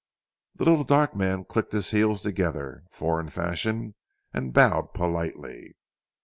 The little dark man clicked his heels together, foreign fashion, and bowed politely.